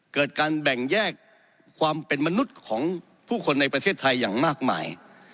การแบ่งแยกความเป็นมนุษย์ของผู้คนในประเทศไทยอย่างมากมาย